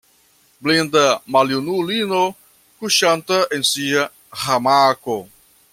Blinda maljunulino, kuŝanta en sia hamako.